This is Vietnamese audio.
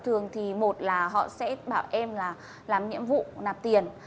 thường thì một là họ sẽ bảo em là làm nhiệm vụ nạp tiền